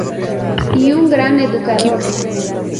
Y un gran educador.